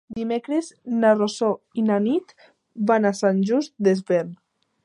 Dimecres na Rosó i na Nit van a Sant Just Desvern.